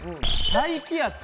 「大気圧」